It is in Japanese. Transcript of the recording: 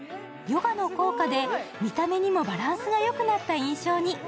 ヨガの効果で見た目にもバランスがよくなった印象に。